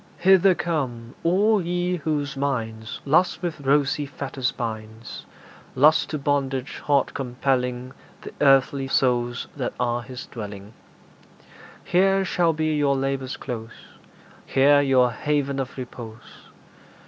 Hither come, all ye whose minds Lust with rosy fetters binds Lust to bondage hard compelling Th' earthy souls that are his dwelling Here shall be your labour's close; Here your haven of repose.